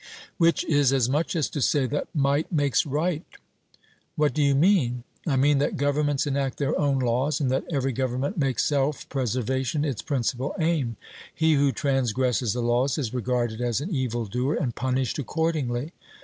Which is as much as to say that 'might makes right.' 'What do you mean?' I mean that governments enact their own laws, and that every government makes self preservation its principal aim. He who transgresses the laws is regarded as an evil doer, and punished accordingly.